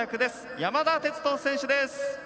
山田哲人選手です。